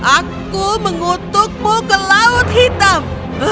aku mengutukmu ke laut hitam